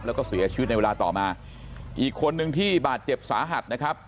แล้วก็เสียชีวิตในเวลาต่อมาอีกคนนึงที่บาดเจ็บสาหัสนะครับ